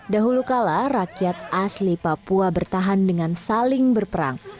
dahulu kala rakyat asli papua bertahan dengan saling berperang